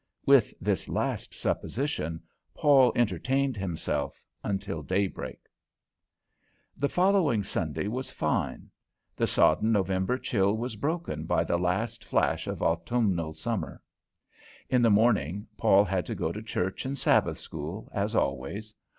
With this last supposition Paul entertained himself until daybreak. The following Sunday was fine; the sodden November chill was broken by the last flash of autumnal summer. In the morning Paul had to go to church and Sabbath school, as always.